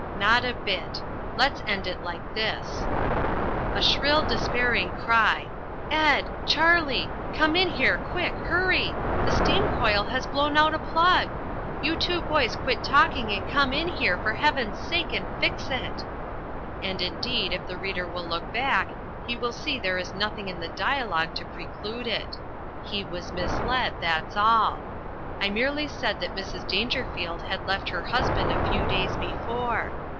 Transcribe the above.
Not a bit. Let's end it like this: "A shrill despairing cry 'Ed! Charlie! Come in here quick! Hurry! The steam coil has blown out a plug! You two boys quit talking and come in here, for heaven's sake, and fix it.'" And, indeed, if the reader will look back he will see there is nothing in the dialogue to preclude it. He was misled, that's all. I merely said that Mrs. Dangerfield had left her husband a few days before.